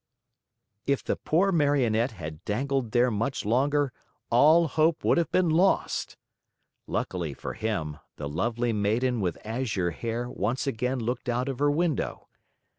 If the poor Marionette had dangled there much longer, all hope would have been lost. Luckily for him, the Lovely Maiden with Azure Hair once again looked out of her window.